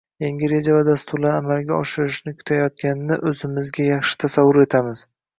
yangi reja va dasturlarni amalga oshirishni kutayotganini o‘zimizga yaxshi tasavvur etamiz.